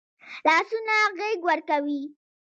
لاسونه غېږ ورکوي